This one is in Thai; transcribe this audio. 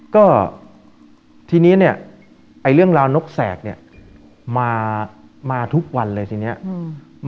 ก็ทีเนี้ยไอ้เรื่องราวนกแสกเนี้ยมามาทุกวันเลยทีเนี้ยอืม